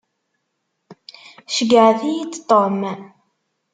Ceyyɛet-iyi-d Tom.